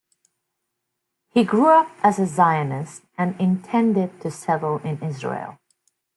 He grew up as a Zionist and intended to settle in Israel.